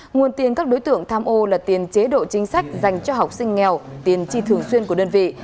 nguồn tiền các đối tượng tham ô là tiền chế độ chính sách dành cho học sinh nghèo tiền chi thường xuyên của đơn vị